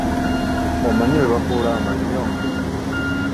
Omanyi bwe bakuula amannyo?